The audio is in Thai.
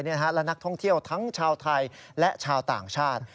และนักท่องเที่ยวทั้งชาวไทยและชาวต่างชาติ